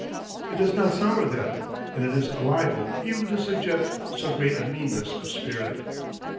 It does not sour them, and it is a libel even to suggest so great a meanness of spirit.